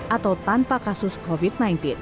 atau tanpa kasus covid sembilan belas